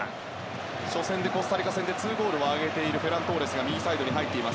初戦でコスタリカ戦で２ゴールを挙げているフェラン・トーレスが右サイドに入っています。